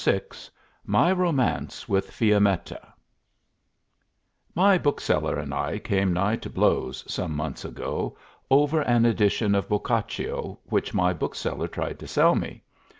VI MY ROMANCE WITH FIAMMETTA My bookseller and I came nigh to blows some months ago over an edition of Boccaccio, which my bookseller tried to sell me.